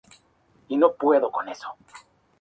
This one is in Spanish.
Al liberar el sello el chakra se dispersa en su cuerpo.